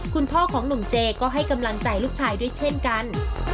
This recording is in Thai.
คุณพ่อของหนุ่มเจก็ให้กำลังใจลูกชายด้วยเช่นกัน